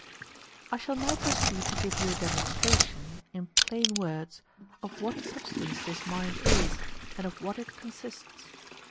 I shall now proceed to give you a demonstration, in plain words, of what substance this mind is, and of what it consists.